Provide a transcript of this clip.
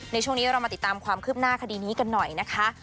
ในช่วงนี้เรามาติดตามความคืบหน้าคดีนี้กันหน่อยนะคะ